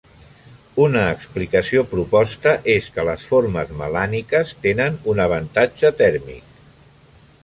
Una explicació proposta és que les formes melàniques tenen un avantatge tèrmic.